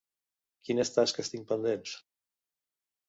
Quines tasques tinc pendents?